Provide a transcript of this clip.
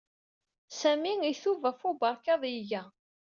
Sami itub ɣef ubekkaḍ ay iga.